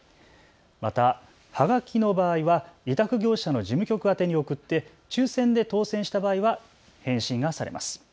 また、はがきの場合は委託業者の事務局宛てに送って抽せんで当せんした場合は返信がされます。